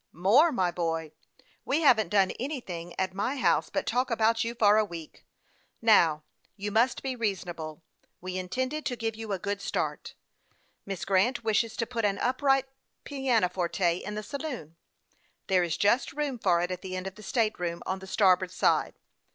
" More, my boy. We haven't done anything at my house but talk about you for a week. Now, you must be reasonable. We intended to give you a good start. Miss Grant wishes to put an upright piano forte in the saloon. There is just room for it at the end of the state room on the starboard side.